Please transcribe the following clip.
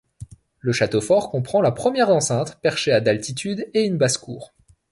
Le château fort comprend la première enceinte, perchée à d'altitude, et une basse-cour.